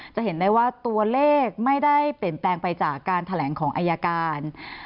จะเห็นได้ว่าตัวเลขไม่ได้เปลี่ยนแปลงไปจากการแถลงของอายการ